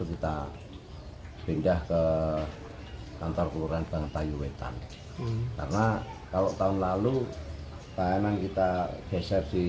kita pindah ke kantor kelurahan bang tayuwetan karena kalau tahun lalu tahanan kita geser di